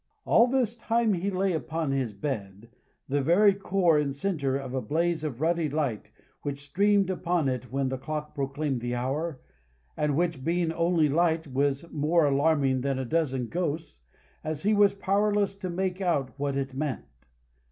All this time, he lay upon his bed, the very core and centre of a blaze of ruddy light, which streamed upon it when the clock proclaimed the hour; and which, being only light, was more alarming than a dozen ghosts, as he was powerless to make out what it meant.